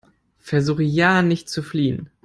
Versuche ja nicht zu fliehen!